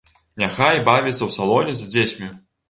Няхай бавіцца ў салоне з дзецьмі.